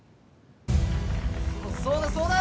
そうだそうだ！